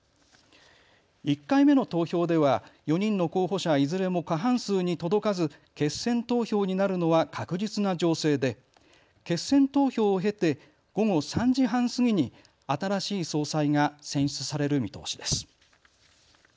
１回目の投票では４人の候補者いずれも過半数に届かず、決選投票になるのは確実な情勢で決選投票を経て午後３時半過ぎに新しい総裁が選出される見通しです。